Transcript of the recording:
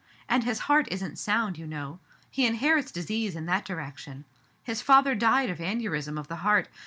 And his heart isn't sound, you know. He inherits disease in that direction. His father died of aneurism of the heart.